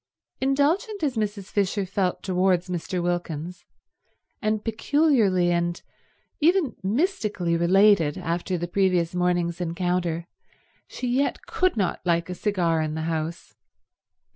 Indulgent as Mrs. Fisher felt towards Mr. Wilkins, and peculiarly and even mystically related after the previous morning's encounter, she yet could not like a cigar in the house.